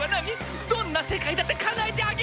どんな世界だってかなえてあげるから！